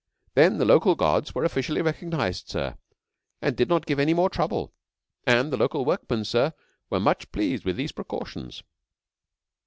Then the local gods were officially recognised, sir, and did not give any more trouble, and the local workmen, sir, were much pleased with these precautions.'